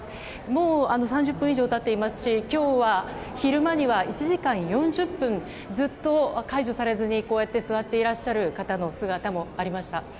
もう３０分以上経っていますし今日は昼間には１時間４０分ずっと解除されずに座っていらっしゃる方の姿もありました。